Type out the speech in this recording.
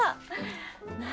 何？